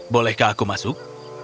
bolehkah aku masuk